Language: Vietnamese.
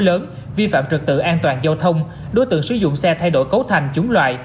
lớn vi phạm trật tự an toàn giao thông đối tượng sử dụng xe thay đổi cấu thành chúng loại